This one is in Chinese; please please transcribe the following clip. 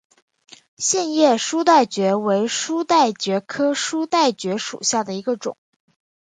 线叶书带蕨为书带蕨科书带蕨属下的一个种。